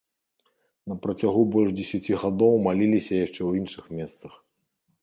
На працягу больш дзесяці гадоў маліліся яшчэ ў іншых месцах.